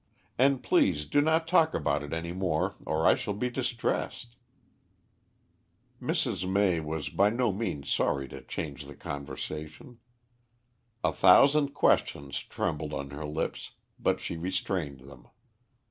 And please do not talk about it any more or I shall be distressed." Mrs. May was by no means sorry to change the conversation. A thousand questions trembled on her lips, but she restrained them.